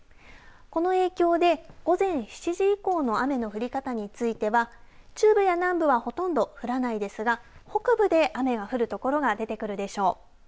この影響で午前７時以降の雨の降り方については中部や南部はほとんど降らないですが北部で雨の降る所が出てくるでしょう。